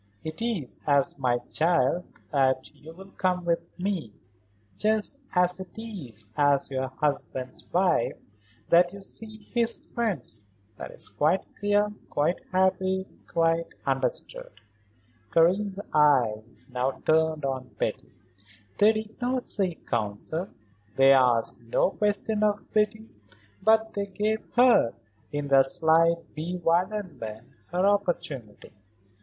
It is as my child that you will come with me; just as it is as your husband's wife that you see his friends. That is quite clear, quite happy, quite understood." Karen's eyes now turned on Betty. They did not seek counsel, they asked no question of Betty; but they gave her, in their slight bewilderment, her opportunity.